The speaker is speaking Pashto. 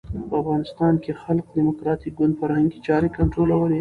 په افغانستان کې خلق ډیموکراټیک ګوند فرهنګي چارې کنټرولولې.